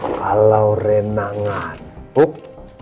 kalau rina ngantuk